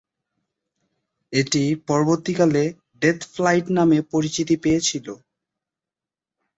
এটি পরবর্তীকালে death flight নামে পরিচিতি পেয়েছিল।